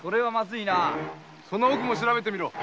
その奥も調べてみろ。